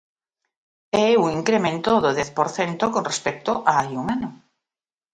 É un incremento do dez por cento con respecto a hai un ano.